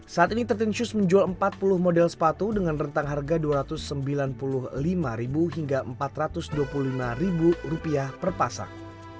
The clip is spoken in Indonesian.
saat ini tretin shoes menjual empat puluh model sepatu dengan rentang harga dua ratus sembilan puluh lima hingga empat ratus dua puluh lima rupiah perpasang